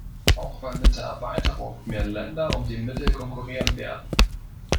Auch weil mit der Erweiterung mehr Länder um die Mittel konkurrieren werden.